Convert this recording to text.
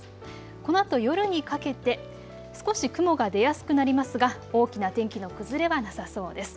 このあと夜にかけて少し雲が出やすくなりますが大きな天気の崩れはなさそうです。